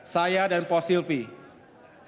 saya dan pos sylvie